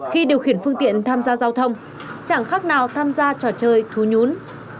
khi điều khiển phương tiện tham gia giao thông chẳng khác nào tham gia trò chơi thú nhún